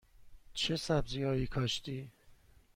چه سبزی هایی کاشتی؟